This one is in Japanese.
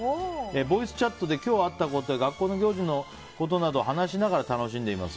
ボイスチャットで今日あったことや学校の行事のことなどを話しながら楽しんでいます。